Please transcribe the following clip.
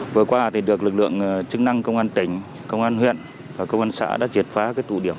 vừa qua được lực lượng chức năng công an tỉnh công an huyện và công an xã đã triệt phá tụ điểm